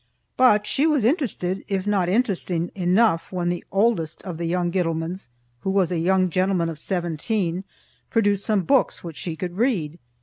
But she was interested, if not interesting, enough when the oldest of the young Gittlemans, who was a young gentleman of seventeen, produced some books which she could read.